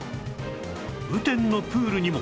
雨天のプールにも